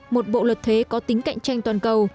một bộ luật thuế có tính cạnh tranh toàn cầu